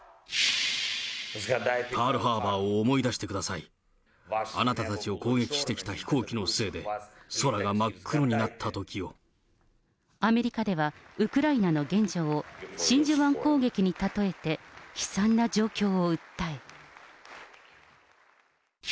パールハーバーを思い出してください、あなたたちを攻撃してきた飛行機のせいで、空が真っ黒になったとアメリカでは、ウクライナの現状を、真珠湾攻撃に例えて悲惨な状況を訴え。